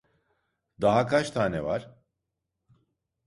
Daha kaç tane var?